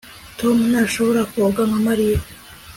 Tom ntashobora koga nka Mariya